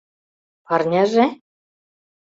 Парняже?